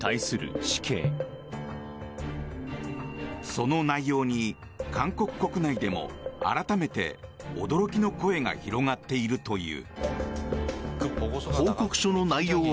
その内容に韓国国内でも改めて驚きの声が広がっているという。